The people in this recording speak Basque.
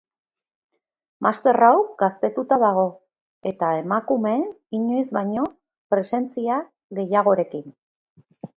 Master hau gaztetuta dago, eta emakumeen inoiz baino presentzia gehiagorekin.